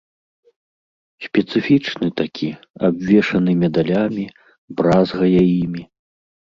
Спецыфічны такі, абвешаны медалямі, бразгае імі.